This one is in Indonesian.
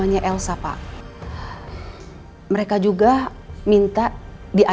iya ada istri